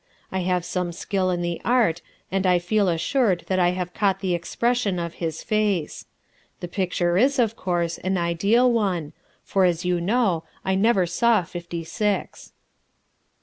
I have some skill in the art, and I feel assured that I have caught the expression of his face. The picture is, of course, an ideal one, for, as you know, I never saw Fifty Six."